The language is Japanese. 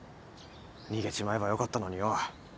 逃げちまえばよかったのによ。